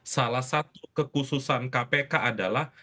salah satu kekhususan kpk adalah